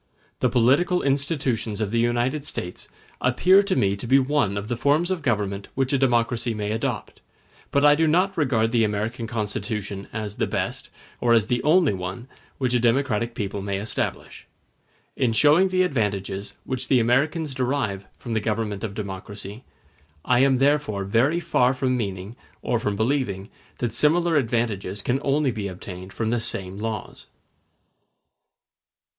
The political institutions of the United States appear to me to be one of the forms of government which a democracy may adopt; but I do not regard the American Constitution as the best, or as the only one, which a democratic people may establish. In showing the advantages which the Americans derive from the government of democracy, I am therefore very far from meaning, or from believing, that similar advantages can only be obtained from the same laws.